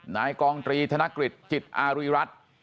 นายกองตรีธนกฤทธิ์จิตอารุรัติ